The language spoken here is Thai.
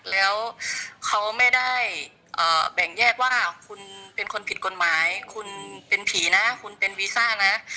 แล้วเขาไม่ได้แบ่งแยกว่าคุณเป็นคนผิดกฎหมายคุณเป็นผีนะคุณเป็นวีซ่านะ